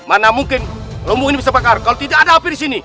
mana mungkin lombok ini bisa bakar kalau tidak ada api di sini